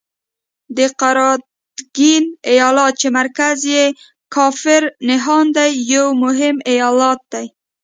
د قراتګین ایالت چې مرکز یې کافر نهان دی یو مهم ایالت دی.